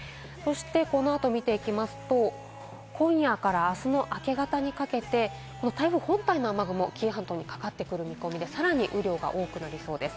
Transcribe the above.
この後、見ていきますと、今夜からあすの明け方にかけて台風本体の雨雲、紀伊半島にかかってくる見込みで、さらに雨量が多くなりそうです。